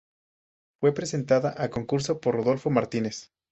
Fue presentada a concurso por Rodolfo Martínez.